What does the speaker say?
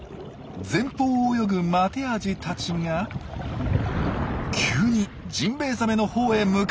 前方を泳ぐマテアジたちが急にジンベエザメのほうへ向かってきました。